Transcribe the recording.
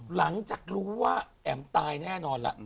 หลังจากรู้ว่าแอ๋มตายแน่นอนล่ะ